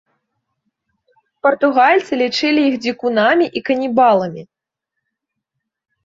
Партугальцы лічылі іх дзікунамі і канібаламі.